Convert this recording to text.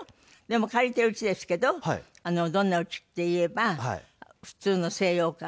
でも借りてるうちですけどどんなうちっていえば普通の西洋館。